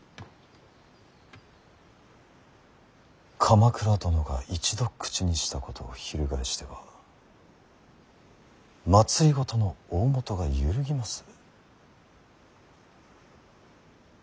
鎌倉殿が一度口にしたことを翻しては政の大本が揺るぎます。